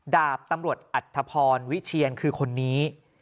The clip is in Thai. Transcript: ดาบตำรวจอัธพรวิเชียนคือคนนี้